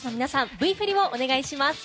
Ｖ振りをお願いします。